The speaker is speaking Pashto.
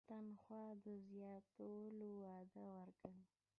تنخوا د زیاتولو وعده ورکړه.